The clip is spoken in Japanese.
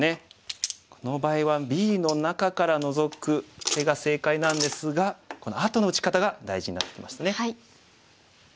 この場合はＢの中からノゾく手が正解なんですがこのあとの打ち方が大事になってきますね。